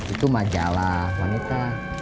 itu majalah wanita